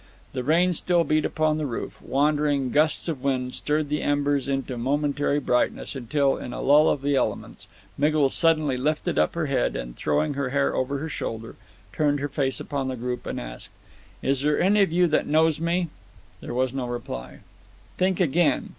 The rain still beat upon the roof, wandering gusts of wind stirred the embers into momentary brightness, until, in a lull of the elements, Miggles suddenly lifted up her head, and, throwing her hair over her shoulder, turned her face upon the group and asked: "Is there any of you that knows me?" There was no reply. "Think again!